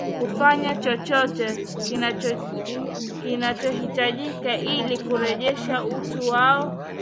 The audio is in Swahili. kufanya chochote kinachohitajika ili kurejesha utu wao